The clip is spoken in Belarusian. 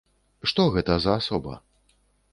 Што гэта за асоба?